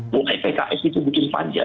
buk kpks itu bikin panja